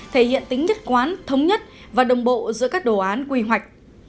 thể hiện tính nhất quán thống nhất và đồng bộ giữa các đồ án quy hoạch